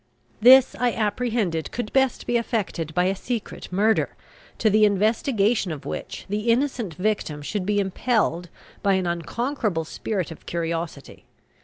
This I apprehended could best be effected by a secret murder, to the investigation of which the innocent victim should be impelled by an unconquerable spirit of curiosity.